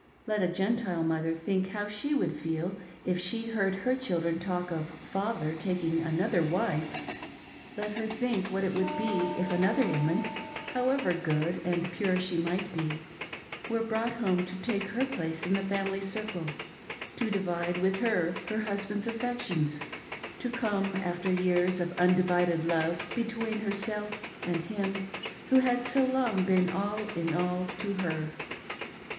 Let a Gentile mother think how she would feel if she heard her children talk of " Father taking another wife !" Let her think what it would be if another woman — however good and pure she might be — were brought home to take her place in the family circle, to divide with her her husband's affections, to come, after years of undivided love, between herself and him who had so long been all in all to her